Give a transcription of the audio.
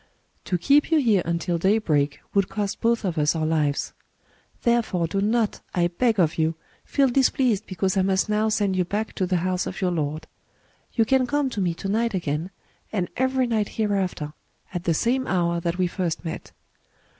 To keep you here until daybreak would cost both of us our lives. Therefore do not, I beg of you, feel displeased because I must now send you back to the house of your lord. You can come to me to night again, and every night here after, at the same hour that we first met.